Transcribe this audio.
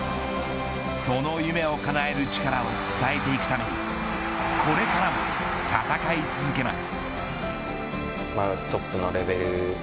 その夢をかなえるチカラを伝えていくためにこれからも戦い続けます。